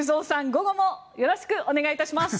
午後もよろしくお願いします。